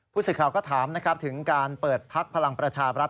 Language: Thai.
พูดสิทธิ์ข่าวก็ถามถึงการเปิดพักพลังประชาบรัฐ